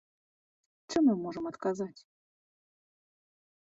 Чым мы можам адказаць?